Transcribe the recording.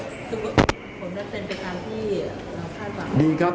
สมมุติผมจะเป็นไปตามที่เราพัดบอก